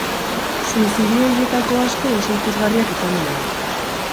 Suizidio horietako asko oso ikusgarriak izan dira.